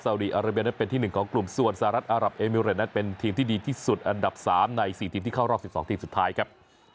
ดีอาราเบียนั้นเป็นที่๑ของกลุ่มส่วนสหรัฐอารับเอมิเรตนั้นเป็นทีมที่ดีที่สุดอันดับ๓ใน๔ทีมที่เข้ารอบ๑๒ทีมสุดท้ายครับ